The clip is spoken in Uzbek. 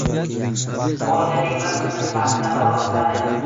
organik bir qismi sifatida qabul qiladi.